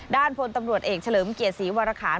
ด้านบนตำรวจเอกเฉลิมเกียรติศรีวรรคาน